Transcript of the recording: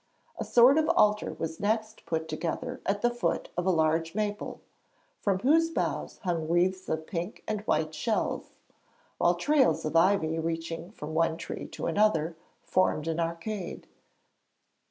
A sort of altar was next put together at the foot of a large maple from whose boughs hung wreaths of pink and white shells, while trails of ivy reaching from one tree to another formed an arcade.